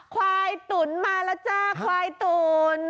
ควายตุ๋นมาแล้วจ้าควายตุ๋น